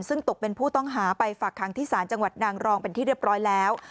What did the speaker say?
ซึ่งตกเป็นผู้ต้องหาไปฝากคังที่ศาลจังหวัดนางรองเป็นที่เรียบร้อยแล้ว